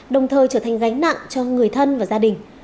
đồng thời trở thành gánh nặng cho người thân và gia đình